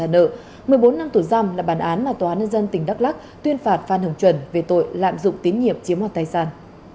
một mươi bốn năm tuổi dằm là bàn án mà tòa án nhân dân tỉnh đắk lắc tuyên phạt phan hùng chuẩn về tội lạm dụng tín nhiệm chiếm hoạt tài sản